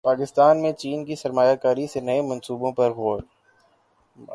پاکستان میں چین کی سرمایہ کاری سے نئے منصوبوں پر غور